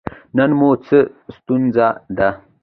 نن مو څه ستونزه ده؟